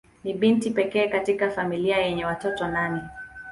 Ni binti pekee katika familia yenye watoto nane.